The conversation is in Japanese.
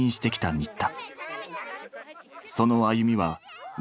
新田